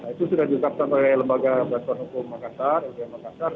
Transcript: itu sudah diungkapkan oleh lembaga basur hukum makassar